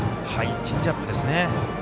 チェンジアップですね。